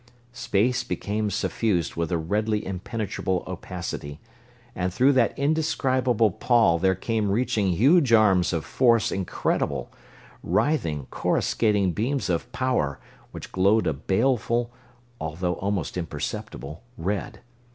Space became suffused with a redly impenetrable opacity, and through that indescribable pall there came reaching huge arms of force incredible; writhing, coruscating beams of power which glowed a baleful, although almost imperceptible, red.